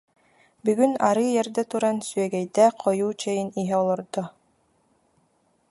Бүгүн арыый эрдэ туран, сүөгэйдээх хойуу чэйин иһэ олордо